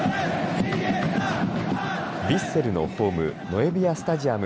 ヴィッセルのホームノエビアスタジアム